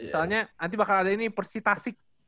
soalnya nanti bakal ada ini persitasik